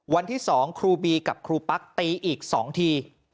วันที่๒ครูบีกับครูปั๊กตีอีก๒ที